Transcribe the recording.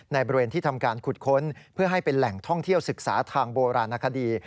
ในบริเวณที่ทำการขุดค้นเพื่อให้เป็นแหล่งท่องเที่ยวศึกษาทางโบราณคดี